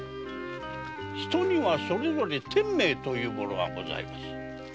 人にはそれぞれ天命というものがございます。